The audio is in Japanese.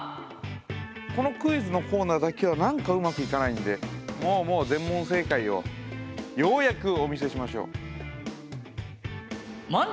このクイズのコーナーだけは何かうまくいかないんでもうもう全問正解をようやくお見せしましょう。問題！